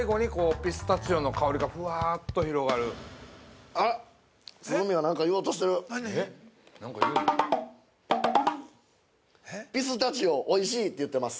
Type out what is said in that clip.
ピスタチオ、おいしいって言ってます。